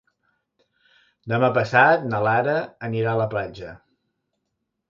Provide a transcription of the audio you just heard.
Demà passat na Lara anirà a la platja.